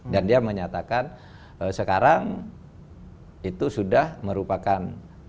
dan dia menyatakan sekarang itu sudah merupakan